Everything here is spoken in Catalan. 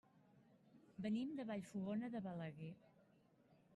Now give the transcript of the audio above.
Venim de Vallfogona de Balaguer.